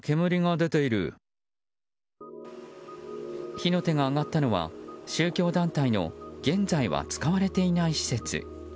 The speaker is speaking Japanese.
火の手が上がったのは宗教団体の現在は使われていない施設。